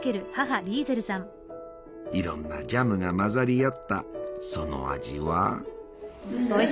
いろんなジャムが混ざり合ったその味は？